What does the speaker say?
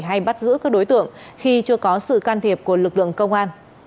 hay bắt giữ các đối tượng khi chưa có sự can thiệp của lực lượng công an